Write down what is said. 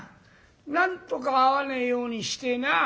なんとか会わねえようにしてえなあ。